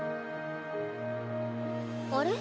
あれ？